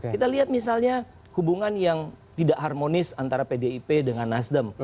kita lihat misalnya hubungan yang tidak harmonis antara pdip dengan nasdem